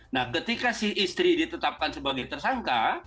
nah ketika si istri ditetapkan sebagai tersangka